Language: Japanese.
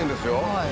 はい。